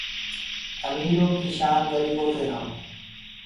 اميرو ڪي شان گريبو ڪي نآئو